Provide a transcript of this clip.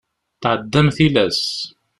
Tɛeddam tilas.